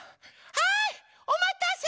はいおまたせ！